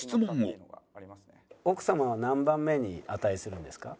「奥様は何番目に値するんですか？」。